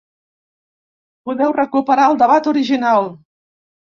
Podeu recuperar el debat original.